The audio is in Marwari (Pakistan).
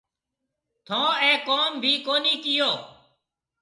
ٿونه اَي ڪوم ڀِي ڪونِي ڪيو۔